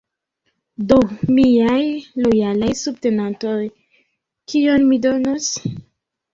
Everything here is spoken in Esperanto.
Do, miaj lojalaj subtenantoj: kion mi donos?